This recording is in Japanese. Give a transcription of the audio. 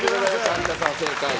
有田さん正解。